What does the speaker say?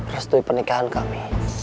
restui pernikahan kami